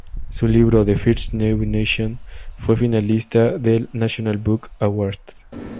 Su libro "The First New Nation" fue finalista del National Book Award.